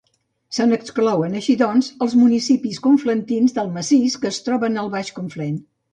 Se n'exclouen, així doncs, els municipis conflentins del massís, que es troben al Baix Conflent.